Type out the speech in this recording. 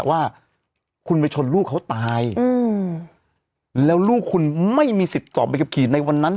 ว่าคุณไปชนลูกเขาตายอืมแล้วลูกคุณไม่มีสิทธิ์ตอบไปกับขี่ในวันนั้น